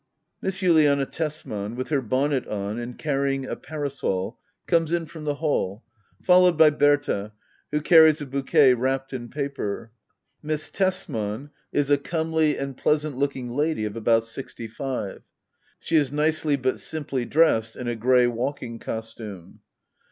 Miss Juliana Tksman^ with her bonnet on and carry ing a parasol, comes in from the hall, followed by Bbrta^ who carries a bouquet wrapped in paper. Miss Tebmas is a comely and pleasant looking lady of about sixty five. She is nicely but simply dressed in a grey walking costume.